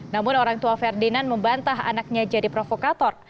namun orang tua ferdinand membantah anaknya jadi provokator